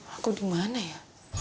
aku dimana ya